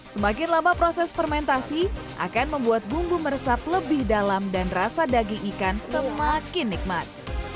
semakin lama proses fermentasi akan membuat bumbu meresap lebih dalam dan rasa daging ikan semakin nikmat